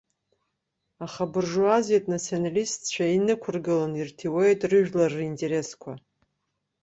Аха абуржуазиатә националистцәа инықәыргыланы ирҭиуеит рыжәлар ринтересқәа.